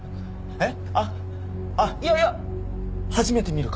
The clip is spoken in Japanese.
えっ？